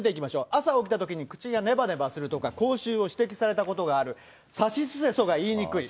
朝起きたときに口がねばねばすると口臭を指摘されたことがある、さしすせそが言いにくい。